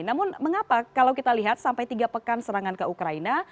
namun mengapa kalau kita lihat sampai tiga pekan serangan ke ukraina